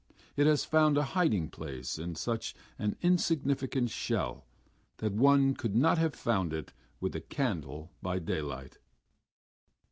It has found a hiding place in such an insignificant shell that one would not have found it with a candle by daylight....